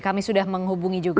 kami sudah menghubungi juga